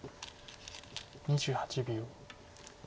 ２８秒。